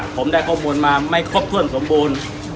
ผมได้ข้อมูลมาไม่ครบถ้วนสมบูรณ์